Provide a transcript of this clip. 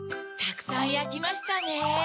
たくさんやきましたね！